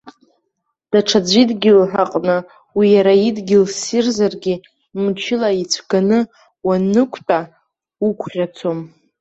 Даҽаӡә идгьыл аҟны, уи иара идгьыл ссирзаргьы, мчыла ицәганы уаннықәтәа, уқәӷьацом.